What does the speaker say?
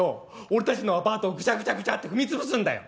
俺たちのアパートをぐちゃぐちゃぐちゃって踏み潰すんだよ。